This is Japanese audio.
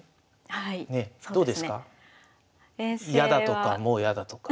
やだとかもうやだとか。